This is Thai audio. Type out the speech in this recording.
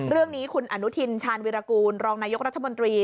เรื่องนี้คุณอนุทินชาญวิรากูลรองนายกรัฐมนตรี